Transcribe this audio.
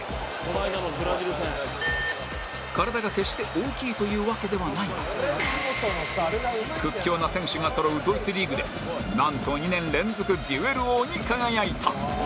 「この間のブラジル戦」体が決して大きいというわけではないが屈強な選手がそろうドイツリーグでなんと２年連続デュエル王に輝いた